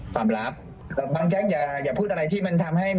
ตอบไม่ได้